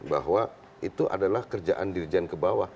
bahwa itu adalah kerjaan dirjen ke bawah